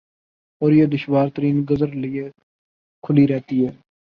اور یہ دشوار ترین گزر لئے کھلی رہتی ہے ۔